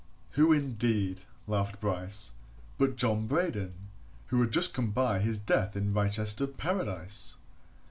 Who indeed, laughed Bryce, but John Braden, who had just come by his death in Wrychester Paradise?